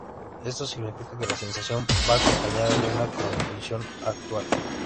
Esto significa que la sensación va acompañada de una compulsión a actuar.